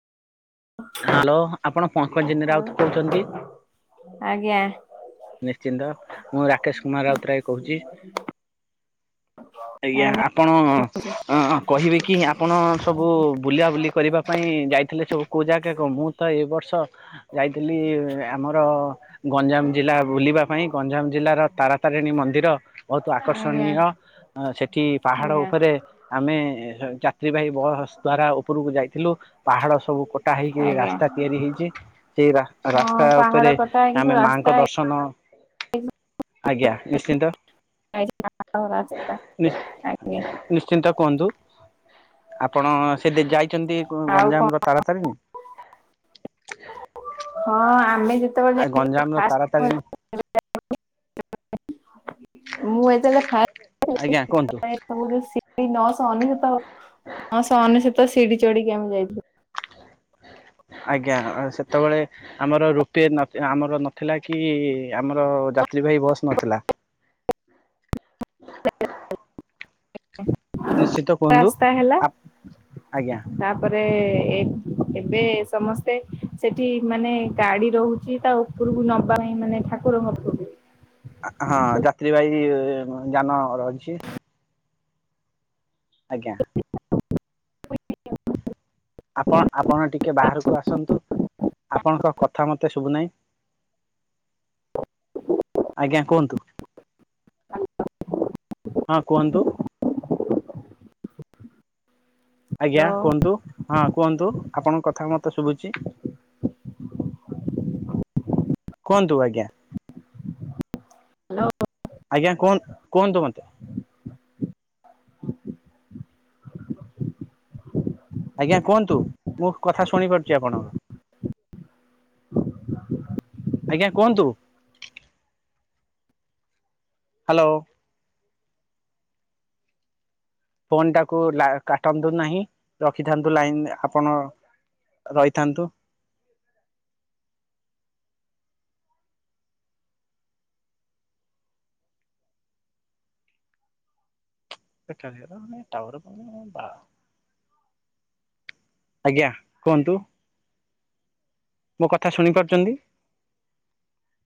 Hello ଆପଣ ପଙ୍କଜିନୀ ଆଉ ରାଉତ କହୁଚନ୍ତି? ଆଜ୍ଞା। ନିଶ୍ଚିନ୍ତ ମୁଁ ରାକେଶ କୁମାର ରାଉତରାୟ କହୁଚି। ଆଜ୍ଞା ଆପଣ ଅ କହିବେ କି ଆପଣ ସବୁ ବୁଲା ବୁଲି କରିବା ପାଇଁ ଯାଇଥିଲେ ସବୁ କୋଉ ଜାଗାକୁ? ମୁଁ ତ ଏ ବର୍ଷ ଯାଇଥିଲି ଆମର ଗଞ୍ଜାମ ଜିଲ୍ଲା ବୁଲିବା ପାଇଁ ଗଞ୍ଜାମ ଜିଲ୍ଲାର ତାରାତାରିଣୀ ମନ୍ଦିର ବହୁତ୍ ଆଜ୍ଞା ଆକର୍ଷଣୀୟ ସେଠି ପାହାଡ଼ ଆଜ୍ଞା ଉପରେ ଆମେ ଦି ଭାଇ ବସ୍ ଦ୍ଵାରା ଉପରକୁ ଯାଇଥିଲୁ ପାହାଡ଼ ସବୁ କଟା ହେଇକି ଆଜ୍ଞା ରାସ୍ତା ତିଆରି ହେଇଚି। ସେଇ ରାସ୍ତା, ରାସ୍ତା ହଁ ପାହାଡ ଉପରେ କଟା ହେଇକି ଆମେ ସବୁ ମାଙ୍କ ରାସ୍ତା ଦର୍ଶନ ନ ହେଇଛି ଆଜ୍ଞା ନିଶ୍ଚିନ୍ତ। ରାସ୍ତା ନି ଆଜ୍ଞା ନିଶ୍ଚିନ୍ତ। କୁହନ୍ତୁ ଆପଣ ସେ ଯାଇଚନ୍ତି ଆଉ କଣ ଗଞ୍ଜାମର ତାରାତାରିଣୀ? ହଁ ଆମେ ଯେତେବେଳେ ଯାଇଥିଲୁ ଆ ଗଞ୍ଜାମର ଫାର୍ଷ୍ଟ ତାରାତାରିଣୀ ଥର [inaudible] ମୁଁ ଯେତେବେଳେ ଫାର୍ଷ୍ଟ ଆଜ୍ଞା କୁହନ୍ତୁ। ସବୁ ଯୋଉ ସିିଡ଼ି ନଅଶହ ଅନେସତ ନଅଶହ ଅନେସତ ସିଡିି଼ ଚଢିକି ଆମେ ଯାଇଥିଲୁ। ଆଜ୍ଞା ସେତେବଳେ ଆମର ରୁପି ନ ଆମର ନଥିଲା କି ଆମର ଯାତ୍ରୀବାହି ବସ୍ ନଥିଲା। [inaudible] ନିଶ୍ଚିତ କୁହନ୍ତୁ ରାସ୍ତା ହେଲା ଆପ ଆଜ୍ଞା। ତାପରେ ଏ ଏବେ ସମସ୍ତେ ସେଠି ମାନେ ଗାଡ଼ି ରହୁଚି ତା ଉପରୁକୁ ନବା ପାଇଁ ମାନେ ଠାକୁରଙ୍କ ପାଖକୁ ହ୍ୟାଲୋ ହଁ ଯାତ୍ରୀବାହି ଯାନ ରହିଚି। ଆଜ୍ଞା। [inaudible] ଆପଣ ଆପଣ ଟିକେ ବାହାରକୁ ଆସନ୍ତୁ ଆପଣଙ୍କ କଥା ମତେ ଶୁଭୁନାହିଁ। ଆଜ୍ଞା କୁହନ୍ତୁ। ହଁ କୁହନ୍ତୁ। ଆଜ୍ଞା ହ୍ୟାଲୋ କୁହନ୍ତୁ ହଁ କୁହନ୍ତୁ ଆପଣଙ୍କ କଥା ମତେ ଶୁବୁଚି। କୁହନ୍ତୁ ଆଜ୍ଞା। ହାଲୋ। ଆଜ୍ଞା କୁହ କୁହନ୍ତୁ ମୋତେ। ଆଜ୍ଞା କୁହନ୍ତୁ ମୁଁ କଥା ଶୁଣିପାରୁଚି ଆପଣଙ୍କର ଆଜ୍ଞା କୁହନ୍ତୁ। ହାଲୋ। ଫୋନ ଟାକୁ ଲା କାଟନ୍ତୁ ନାହିଁ ରଖିଥାନ୍ତୁ ଲାଇନ୍ ଆପଣ ରହିଥାନ୍ତୁ। କାରିୟର ଟୱାର ପାଉନି ବା ଆଜ୍ଞା କୁଅନ୍ତୁ। ମୋ କଥା ଶୁଣିପାରୁଚନ୍ତି।